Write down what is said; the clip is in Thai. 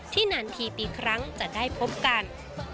นานทีปีครั้งจะได้พบกัน